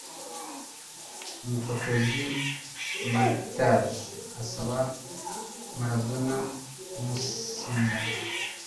Umufotozi Maartje asaba Maradona kumusinyira